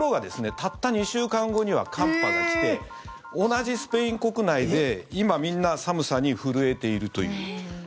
たった２週間後には寒波が来て同じスペイン国内で今みんな寒さに震えているという。